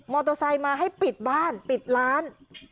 โตไซค์มาให้ปิดบ้านปิดร้าน